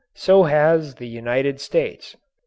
So has the United States.